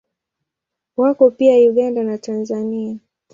Wako pia Uganda na Tanzania.